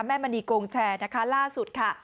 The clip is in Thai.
มณีโกงแชร์นะคะล่าสุดค่ะ